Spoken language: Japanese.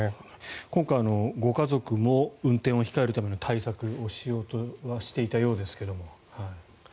今回、ご家族も運転を控えるために対策をしようとはしていたようですが。